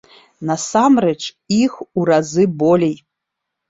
Насамрэч іх у разы болей.